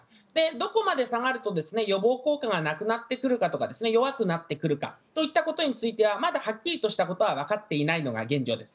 どこまで下がると予防効果がなくなってくるかとか弱くなってくるかといったことについてはまだはっきりとしたことはわかっていないのが現状です。